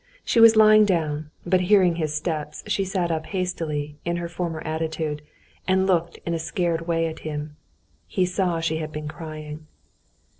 She was lying down, but hearing his steps she sat up hastily in her former attitude, and looked in a scared way at him. He saw she had been crying.